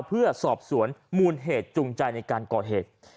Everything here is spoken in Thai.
เพื่อสอบสวนมูลเหตุจูงใจในการก่อเหตุ